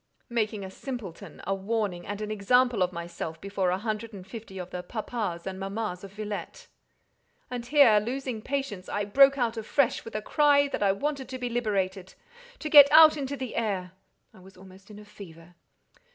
"Making a simpleton, a warning, and an example of myself, before a hundred and fifty of the 'papas' and 'mammas' of Villette." And here, losing patience, I broke out afresh with a cry that I wanted to be liberated—to get out into the air—I was almost in a fever.